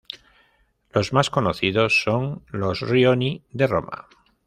Los más conocidos son los Rioni de Roma.